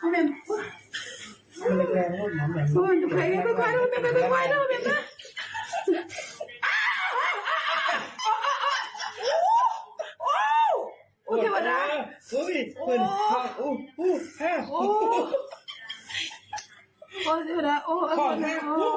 พี่ร้องเวอร์มันไม่เจ็บขนาดนั้น